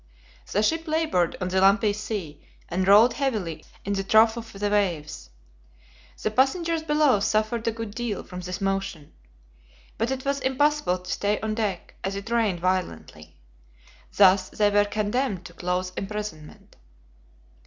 The ship labored on the lumpy sea, and rolled heavily in the trough of the waves. The passengers below suffered a good deal from this motion. But it was impossible to stay on deck, as it rained violently. Thus they were condemned to close imprisonment.